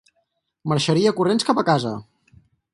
Marxaria corrents cap a casa!